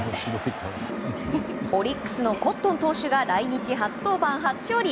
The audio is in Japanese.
オリックスのコットン投手が来日初登板、初勝利。